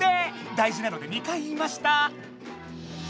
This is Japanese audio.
だいじなので２回言いました。